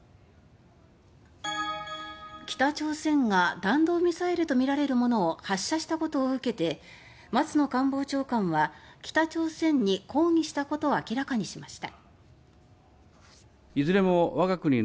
北朝鮮が弾道ミサイルとみられるものを発射したことを受けて松野官房長官は北朝鮮に抗議したことを明らかにしました。